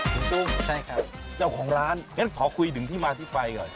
คุณกุ้งใช่ครับเจ้าของร้านงั้นขอคุยถึงที่มาที่ไปก่อน